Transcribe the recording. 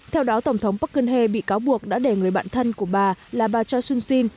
theo đó tổng thống park geun hye bị cáo buộc đã để người bạn thân của bà là bà choi soon sin